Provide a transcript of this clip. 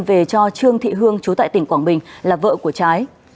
về cho trương thị hương chú tại tỉnh quảng bình là vợ của trái